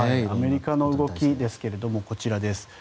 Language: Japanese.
アメリカの動きですがこちらです。